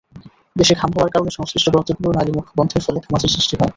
বেশি ঘাম হওয়ার কারণে সংশ্লিষ্ট গ্রন্থিগুলোর নালিমুখ বন্ধের ফলে ঘামাচির সৃষ্টি হয়।